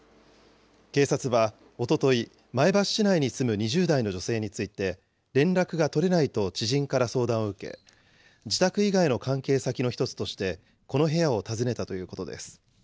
警察はおととい、前橋市内に住む２０代の女性について、連絡が取れないと知人から相談を受け、自宅以外の関係先の１つとして、この部屋を訪ねたということです。